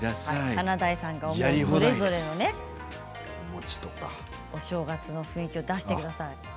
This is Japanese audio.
華大さんが思うそれぞれのお正月の雰囲気を出してください。